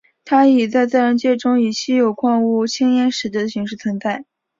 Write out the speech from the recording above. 它在自然界中以稀有矿物羟铟石的形式存在。